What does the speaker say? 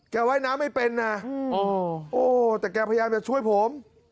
ว่ายน้ำไม่เป็นนะโอ้แต่แกพยายามจะช่วยผม